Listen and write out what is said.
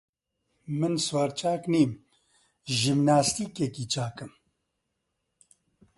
من سواری چاک نییم، ژیمناستیکی چاکم!